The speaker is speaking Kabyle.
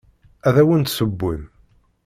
Ad awent-d-ssewwen.